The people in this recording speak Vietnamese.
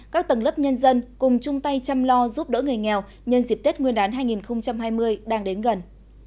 các tầng lớp nhân dân cùng chung tay chăm lo giúp đỡ người nghèo nhân dịp tết nguyên đán hai nghìn hai mươi đang đến gần